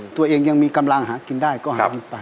ตัวเองยังมีกำลังหากินได้ก็หาเงินไป